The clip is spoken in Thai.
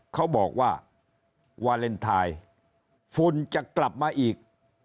เขาบอกว่าวาเลนไทยฝุ่นจะกลับมาอีก